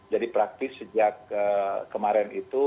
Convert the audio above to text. jadi praktis sejak kemarin itu